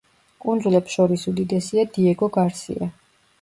კუნძულებს შორის უდიდესია დიეგო გარსია.